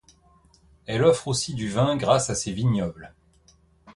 Elle offre aussi du vin grâce à ses vignobles.